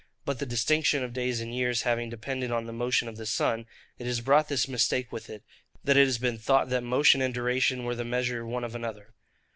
But the distinction of days and years having depended on the motion of the sun, it has brought this mistake with it, that it has been thought that motion and duration were the measure one of another.